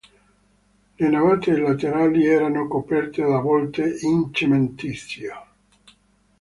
Le navate laterali erano coperte da volte in cementizio.